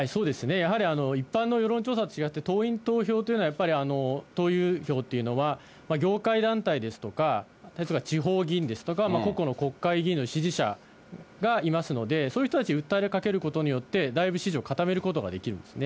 やはり一般の世論調査と違って、党員党友票というのはやっぱり、党友票っていうのは業界団体ですとか、地方議員ですとか、個々の国会議員の支持者がいますので、そういう人たちに訴えかけることによって、だいぶ支持を固めることができるんですね。